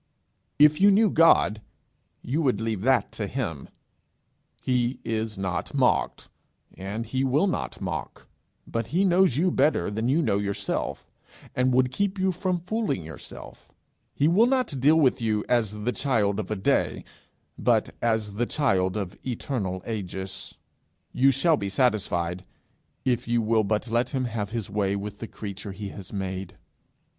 If you knew God, you would leave that to him. He is not mocked, and he will not mock. But he knows you better than you know yourself, and would keep you from fooling yourself. He will not deal with you as the child of a day, but as the child of eternal ages. You shall be satisfied, if you will but let him have his way with the creature he has made.